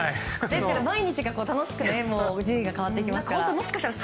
ですから毎日が楽しく順位が変わってきますから。